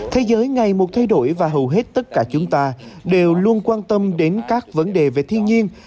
thế giới ngày một thay đổi và hầu hết tất cả chúng ta đều luôn quan tâm đến các vấn đề về thiên nhiên